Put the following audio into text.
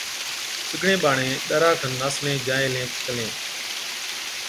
سِگڙين ٻاڙين ڏَرا کن ناسلين جائين هِلين چلين،